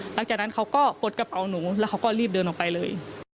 หลังจากนั้นเขาก็ปลดกระเป๋าหนูแล้วเขาก็รีบเดินออกไปเลย